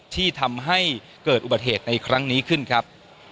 ที่ทำให้เกิดอุบัติเหตุในครั้งนี้ขึ้นครับ